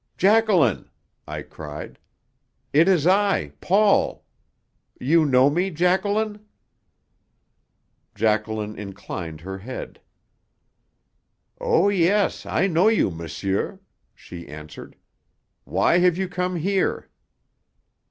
"Jacqueline!" I cried. "It is I, Paul! You know me, Jacqueline?" Jacqueline inclined her head. "Oh, yes; I know you, monsieur," she answered. "Why have you come here?"